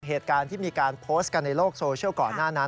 เหตุการณ์ที่มีการโพสต์กันในโลกโซเชียลก่อนหน้านั้น